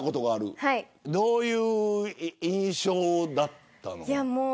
どういう印象だったの。